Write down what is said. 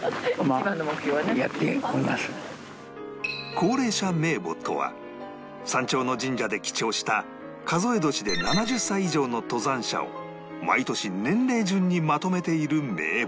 高齢者名簿とは山頂の神社で記帳した数え年で７０歳以上の登山者を毎年年齢順にまとめている名簿